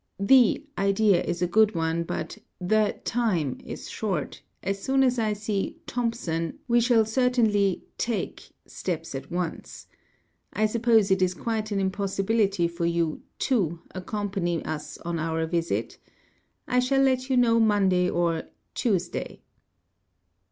Pi The idea is a good one but the time is short; as soon as I set Thompson we shall certainly take steps at once. I suppose it is quit an impossibility for you to accompany us on our visit? I shall let yo know Monday or Tuesday."